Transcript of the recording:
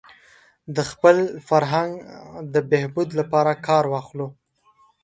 د خپل فرهنګ د بهبود لپاره کار واخلو.